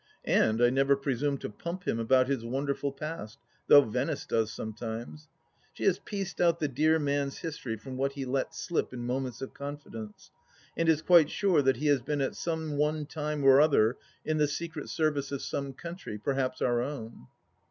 And I never presume to pump him about his wonderful past, though Venice does sometimes. She has pieced out the dear man's history from what he lets slip in moments of confidence, and is quite sure that he has been at some one time or other in the Secret Service of some country, perhaps our own 1